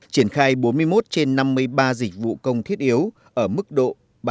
triển khai bốn mươi một trên năm mươi ba dịch vụ công thiết yếu ở mức độ ba